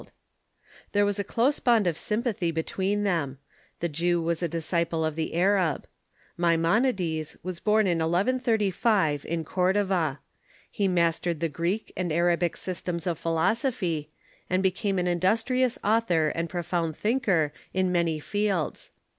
Maimonides „,,^■,, r t t i 1 here was a close bond or sympathy between them. The Jew was the disciple of the Arab. Maimonides was born in 1135, in Cordova. He mastered the Greek and Arabic systems of philosophy, and became an industrious author and profound thinker in many fields.